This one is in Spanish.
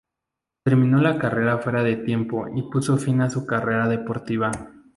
Terminó la carrera fuera de tiempo y puso fin a su carrera deportiva.